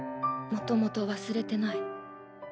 もともと忘れてない。